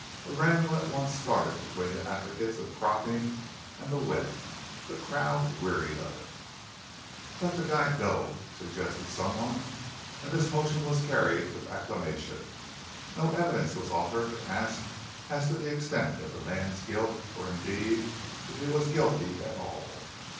A wrangle at once started between the advocates of cropping and the whip. The crowd wearied of it. "Let the go!" suggested someone. And this motion was carried with acclamation. No evidence was offered or asked as to the extent of the man's guilt, or indeed if he was guilty at all!